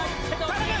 頼む！